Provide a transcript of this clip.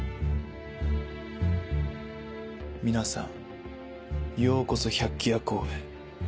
皆さんようこそ百鬼夜行へ。